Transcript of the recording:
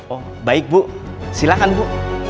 oh baik bu silakan bu